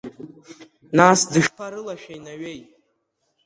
Нас дышԥарылашәеи Наҩеи?